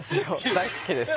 大好きです